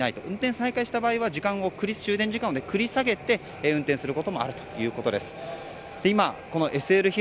運転再開をしたときは時間を繰り下げて運転することもあるそうです。